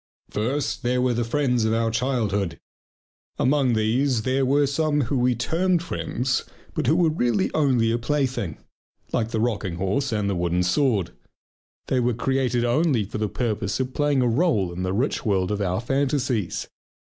First, there were the friends of our childhood! Among these there were some whom we termed friends but who were really only a plaything, like the rocking horse and the wooden sword. They were created only for the purpose of playing a role in the rich world of our fantasies.